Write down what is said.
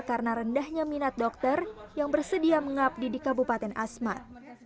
karena rendahnya minat dokter yang bersedia mengabdi di kabupaten asmat